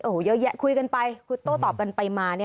โอ้โหเยอะคุยกันไปทั่วตอบกันไปมา